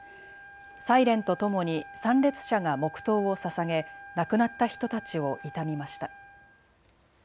サイレンとともに参列者が黙とうをささげ亡くなった人たちを悼みました。